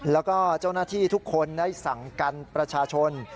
แล้วก็เจ้าหน้าที่ทุกคนได้สั่งกันประชาชน